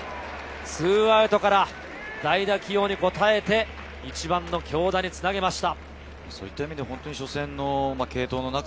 ２アウトから代打起用に応えて、１番の京田につなげました。